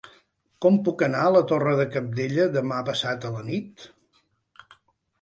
Com puc anar a la Torre de Cabdella demà passat a la nit?